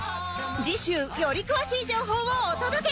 次週より詳しい情報をお届け